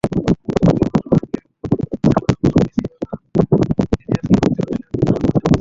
দুই মৌসুম আগে হোসে মরিনহো প্রথম ক্যাসিয়াসকে বেঞ্চে বসিয়ে রাখার দুঃসাহস দেখিয়েছিলেন।